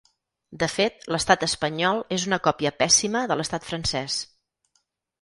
De fet, l’estat espanyol és una còpia pèssima de l’estat francès.